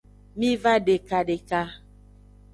Miva deka deka.